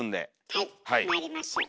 はいまいりましょう。